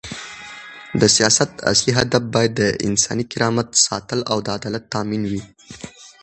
د سیاست اصلي هدف باید د انساني کرامت ساتل او د عدالت تامین وي.